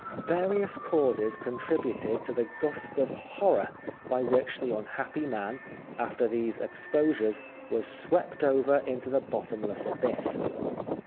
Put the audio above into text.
Various causes contributed to the gust of horror by which the unhappy man, after these exposures, was swept over into the bottomless abyss.